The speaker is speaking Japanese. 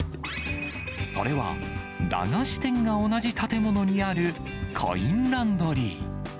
それは駄菓子店が同じ建物にあるコインランドリー。